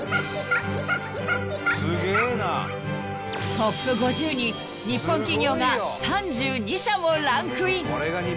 ［トップ５０に日本企業が３２社もランクイン］